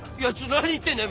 何言ってんだよ？